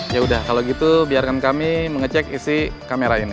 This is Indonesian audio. yaudah kalau gitu biarkan kami mengecek isi kamera ini